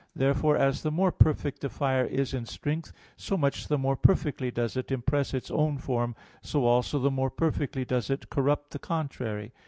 Therefore, as the more perfect the fire is in strength, so much the more perfectly does it impress its own form, so also the more perfectly does it corrupt the contrary.